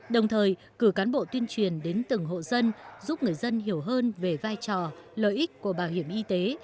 đồng thời cử cán bộ tuyên truyền đến từng hộ dân giúp người dân hiểu hơn về vai trò lợi ích của bảo hiểm y tế